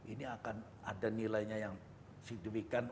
ini akan ada nilainya yang signifikan